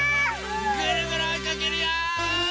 ぐるぐるおいかけるよ！